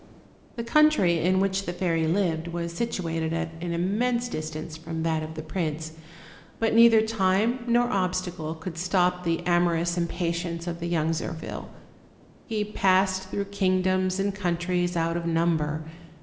The country in which the fairy lived was situated at an immense distance from that of the prince; but neither 204 OLD, OLD FAIRY TAL3S. time nor obstacle could stop the amorous impatience of the young Zirphil. He passed through kingdoms and countries out of number.